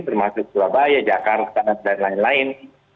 termasuk surabaya jakarta dan lain lain